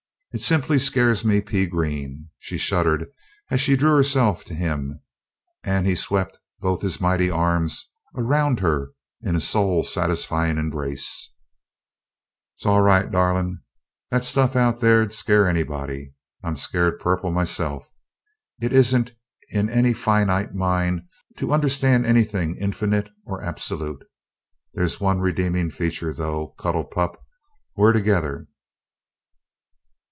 It simply scares me pea green!" she shuddered as she drew herself to him, and he swept both his mighty arms around her in a soul satisfying embrace. "'Sall right, darling. That stuff out there'd scare anybody I'm scared purple myself. It isn't in any finite mind to understand anything infinite or absolute. There's one redeeming feature, though, cuddle pup we're together."